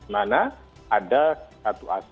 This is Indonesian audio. mana ada satu asas pemilih berindah